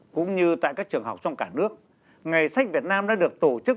cũng như tại các trường học trong cả nước ngày sách việt nam đã được tổ chức